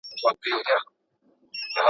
تر مرکې مخکي د هلک نه پېژندل ښه کار ندی.